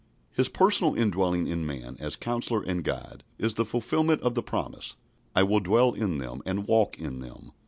His personal indwelling in man, as Counsellor and Guide, is the fulfilment of the promise "I will dwell in them, and walk in them."